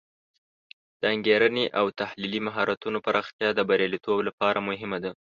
د انګیرنې او تحلیلي مهارتونو پراختیا د بریالیتوب لپاره مهمه ده.